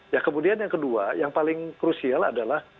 ya kemudian yang kedua yang paling krusial adalah